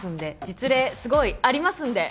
実例すごいありますんで。